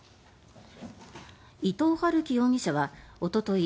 伊藤龍稀容疑者はおととい